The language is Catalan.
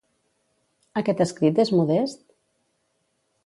Aquest escrit és modest?